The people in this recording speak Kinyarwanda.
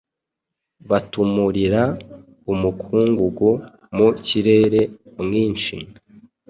batumurira umukungugu mu kirere mwinshi,